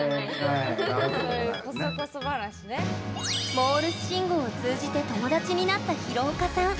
モールス信号を通じて友達になったヒロオカさん。